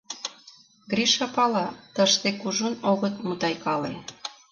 Гриша пала: тыште кужун огыт мутайкале.